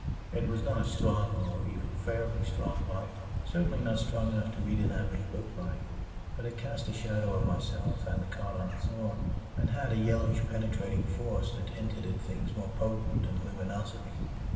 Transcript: It was not a strong or even a fairly strong light; certainly not nearly strong enough to read an average book by. But it cast a shadow of myself and the cot on the floor, and had a yellowish, penetrating force that hinted at things more potent than luminosity.